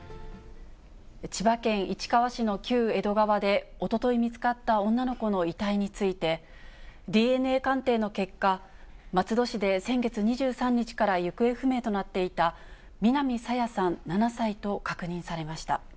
千葉県市川市の旧江戸川で、おととい見つかった女の子の遺体について、ＤＮＡ鑑定の結果、松戸市で先月２３日から行方不明となっていた、南朝芽さん７歳と確認されました。